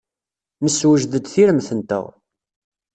Nessewjed-d tiremt-nteɣ.